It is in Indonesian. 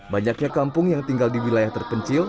banyaknya kampung yang tinggal di wilayah terpencil